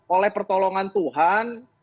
oleh pertolongan tuhan